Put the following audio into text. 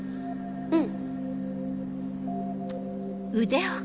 うん。